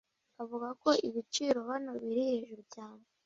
avuga ko ibiciro hano biri hejuru cyane.